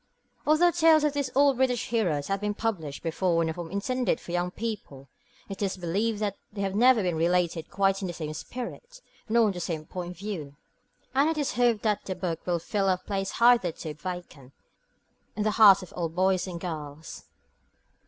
Although tales of these old British heroes have been published before in a form intended for young people, it is believed that they have never been related quite in the same spirit nor from the same point of view; and it is hoped that the book will fill a place hitherto vacant in the hearts of all boys and girls.